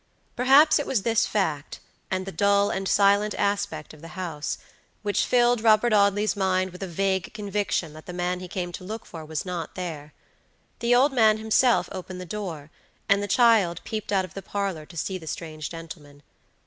Perhaps it was this fact, and the dull and silent aspect of the house, which filled Robert Audley's mind with a vague conviction that the man he came to look for was not there. The old man himself opened the door, and the child peeped out of the parlor to see the strange gentleman.